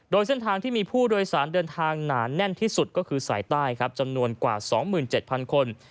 โดยเส้นทางที่มีผู้โดยสารเดินทางหนาแน่นที่สุดก็คือสายใต้ครับจำนวนกว่า๒๗๐๐คน